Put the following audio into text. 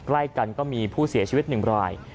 ใกล้กันก็มีผู้เสียชีวิต๑ราย